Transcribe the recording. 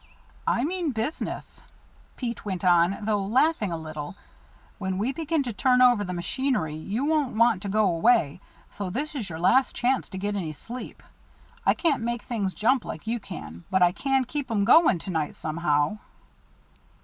"I mean business," Pete went on, though laughing a little. "When we begin to turn over the machinery you won't want to go away, so this is your last chance to get any sleep. I can't make things jump like you can, but I can keep 'em going to night somehow."